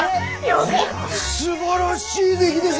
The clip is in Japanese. すばらしい出来です！